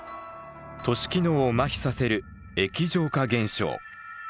都市機能をまひさせる液状化現象。